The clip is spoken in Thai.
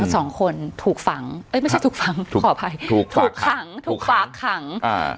สองคนถูกฝังเอ้ยไม่ใช่ถูกฝังขออภัยถูกถูกขังถูกฝากขังอ่า